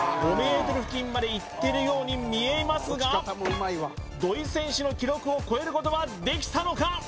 ５ｍ付近までいってるように見えますが土井選手の記録を超えることはできたのか？